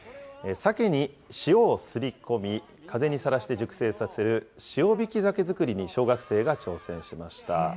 サケに塩をすり込み、風にさらして熟成させる塩引き鮭作りに小学生が挑戦しました。